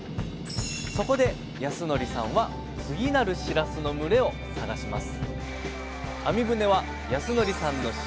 そこで康則さんは次なるしらすの群れを探します